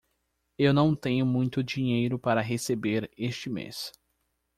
Eu não tenho muito dinheiro para receber este mês.